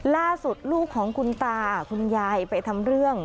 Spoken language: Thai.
ลูกของคุณตาคุณยายไปทำเรื่อง